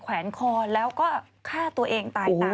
แวนคอแล้วก็ฆ่าตัวเองตายตาม